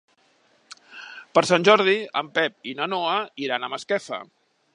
Per Sant Jordi en Pep i na Noa iran a Masquefa.